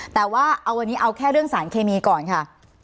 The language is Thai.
แต่ว่าเอาวันนี้เอาแค่เรื่องสารเคมีก่อนค่ะ